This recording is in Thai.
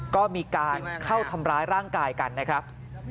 ก็มีการเข้าทำร้ายร่างกายกันนะครับ